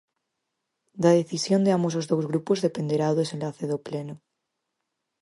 Da decisión de ambos os dous grupos dependerá o desenlace do pleno.